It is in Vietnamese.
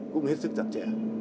cũng hết sức chặt chẽ